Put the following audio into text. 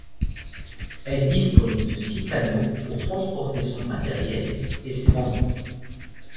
Elle dispose de six camions pour transporter son matériels et ses membres.